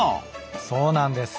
そうなんです。